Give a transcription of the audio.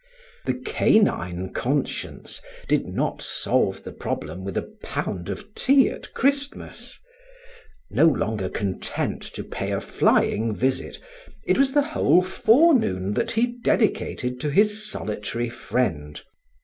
The canine conscience did not solve the problem with a pound of tea at Christmas. No longer content to pay a flying visit, it was the whole forenoon that he dedicated to his solitary friend.